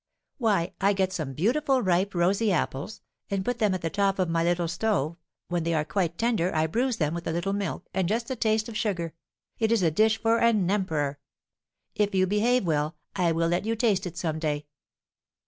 "Why, I get some beautiful ripe, rosy apples, and put them at the top of my little stove; when they are quite tender, I bruise them with a little milk, and just a taste of sugar. It is a dish for an emperor. If you behave well, I will let you taste it some day."